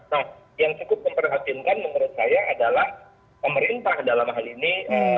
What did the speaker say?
nah yang cukup memprihatinkan menurut saya adalah pemerintah dalam hal ini